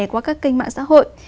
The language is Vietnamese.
qua các kênh mạng xã hội